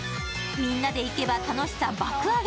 みんなで行けば楽しさ爆上げ。